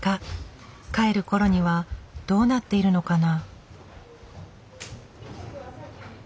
帰るころにはどうなっているのかな？